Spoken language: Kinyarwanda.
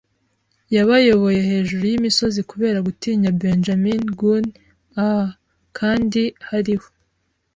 yabayoboye hejuru yimisozi kubera gutinya Benjamin Gunn. Ah! Kandi hariho